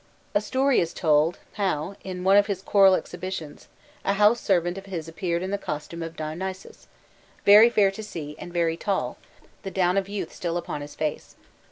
A story is told how, in one of his choral exhibitions, a house servant of his appeared in the costume of Dionysus, very fair to see, and very tall, the down of youth still upon his face.